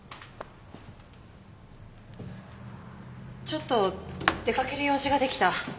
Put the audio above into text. ちょっと出かける用事ができた。